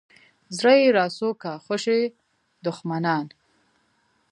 زړه یې راسو کا خوشي دښمنان.